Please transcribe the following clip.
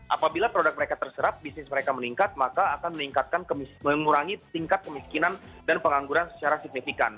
apabila produk mereka terserap bisnis mereka meningkat maka akan meningkatkan mengurangi tingkat kemiskinan dan pengangguran secara signifikan